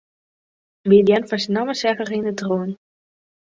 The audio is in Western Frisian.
By it hearren fan syn namme seach er yn it rûn.